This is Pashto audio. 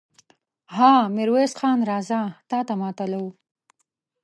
ها! ميرويس خان! راځه، تاته ماتله وو.